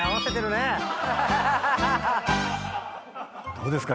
どうですか？